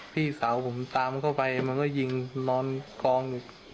พี่สาวผมตามเข้าไปมันก็ยิงนอนกองอยู่